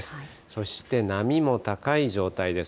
そして波も高い状態です。